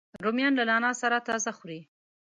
رومیان له نعناع سره تازه خوري